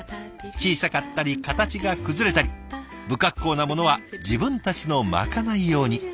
小さかったり形が崩れたり不格好なものは自分たちのまかない用に。